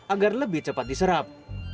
agar lebih cepat diserap